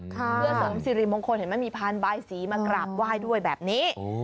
เพื่อเสริมสิริมงคลเห็นไหมมีพานบายสีมากราบไหว้ด้วยแบบนี้